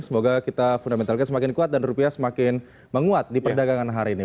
semoga kita fundamental kita semakin kuat dan rupiah semakin menguat di perdagangan hari ini